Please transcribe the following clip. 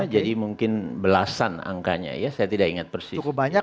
jadi mungkin belasan angkanya ya saya tidak ingat persis